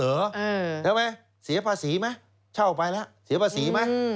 ใช่ไหมเสียภาษีไหมเช่าไปแล้วเสียภาษีไหม